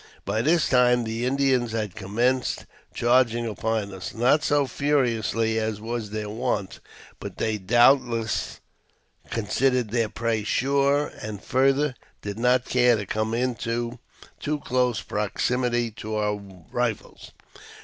By this time the Indians had commenced charging upon us, not so furiously as was their wont, but they doubtless con sidered their prey sure, and, farther, did not care to come into too close proximity to our rifles.